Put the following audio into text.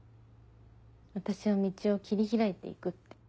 私は道を切り開いて行くって。